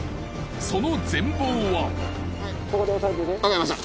その全貌は？わかりました。